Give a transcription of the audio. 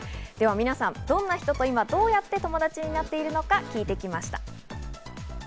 皆さん、どんな人と今、どうやって友達になっているのか聞いてきました。